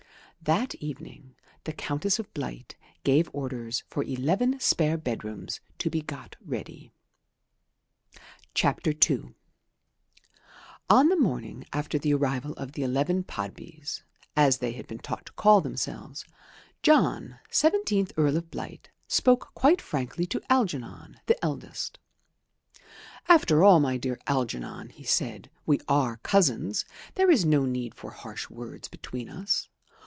That evening the Countess of Blight gave orders for eleven spare bedrooms to be got ready. II On the morning after the arrival of the eleven Podbys (as they had been taught to call themselves) John, seventeenth Earl of Blight, spoke quite frankly to Algernon, the eldest. "After all, my dear Algernon," he said, "we are cousins. There is no need for harsh words between us.